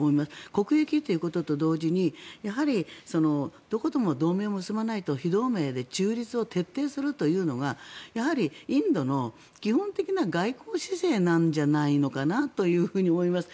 国益ということと同時にどことも同盟を結ばない非同盟で中立を徹底するというのがインドの基本的な外交姿勢なんじゃないかなと思います。